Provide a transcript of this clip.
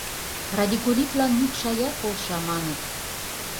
Радикулитлан мӱкш аяр полша, маныт.